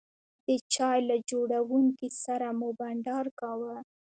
د چای له جوړونکي سره مو بانډار کاوه.